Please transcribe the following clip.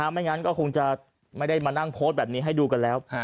ไม่งั้นก็คงจะไม่ได้มานั่งโพสต์แบบนี้ให้ดูกันแล้ว